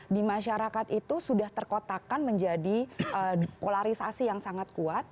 di masyarakat itu sudah terkotakan menjadi polarisasi yang sangat kuat